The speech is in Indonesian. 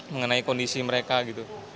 mengenai kondisi mereka gitu